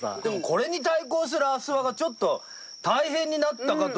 これに対抗する阿諏訪がちょっと大変になったかと思うんだけど。